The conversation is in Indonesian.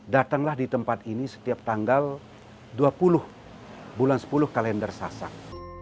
datanglah di tempat ini setiap tanggal dua puluh bulan sepuluh kalender sasak